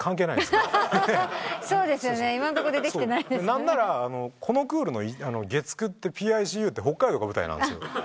何ならこのクールの月９『ＰＩＣＵ』って北海道が舞台なんですよ。